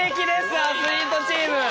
アスリートチーム。